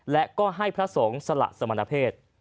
และก็ให้พระสงฆ์สละสมณเพศ